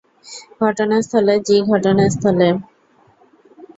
ঘটনাস্থলে জি ঘটনাস্থলে।